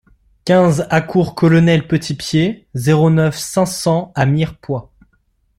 quinze A cours Colonel Petitpied, zéro neuf, cinq cents à Mirepoix